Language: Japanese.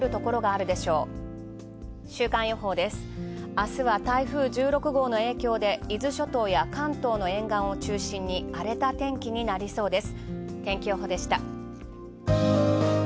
明日は台風１６号の影響で伊豆諸島や関東の沿岸を中心に荒れた天気になりそうです。